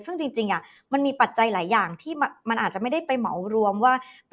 ซึ่งจริงมันมีปัจจัยหลายอย่างที่มันอาจจะไม่ได้ไปเหมารวมว่า